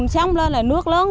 sông lên là nước lớn